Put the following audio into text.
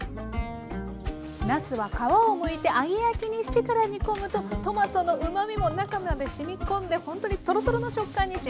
なすは皮をむいて揚げ焼きにしてから煮込むとトマトのうまみも中までしみ込んでほんとにトロトロの食感に仕上がります。